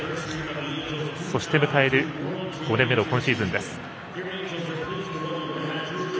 そして迎える５年目の今シーズン。